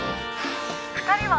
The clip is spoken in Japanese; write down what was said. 「２人は？」